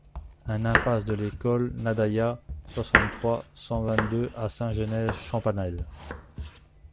un impasse de l'École Nadaillat, soixante-trois, cent vingt-deux à Saint-Genès-Champanelle